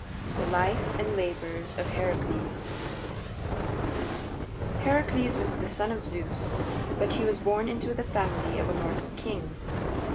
THE LIFE AND LABORS OF HERACLES I Heracles was the son of Zeus, but he was born into the family of a mortal king.